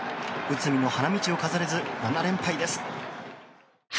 内海の花道を飾れず７連敗です。